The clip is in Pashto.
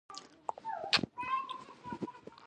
واوره د افغانستان د سیاسي جغرافیه برخه ده.